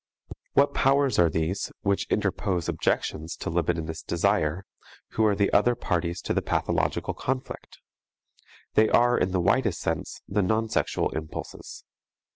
What powers are these which interpose objections to libidinous desire, who are the other parties to the pathological conflict? They are, in the widest sense, the non sexual impulses.